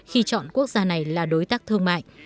khi chọn quốc gia này là đối tác thương mại